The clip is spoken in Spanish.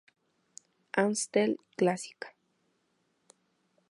Amstel Clásica.